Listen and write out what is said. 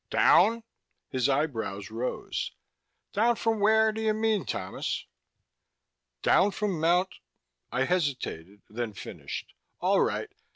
"Down?" His eyebrows rose. "Down from where do you mean, Thomas?" "Down from Mount " I hesitated, then finished. "All right.